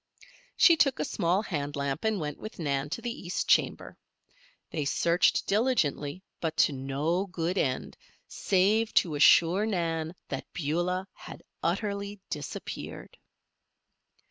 She took a small hand lamp and went with Nan to the east chamber. They searched diligently, but to no good end, save to assure Nan that Beulah had utterly disappeared.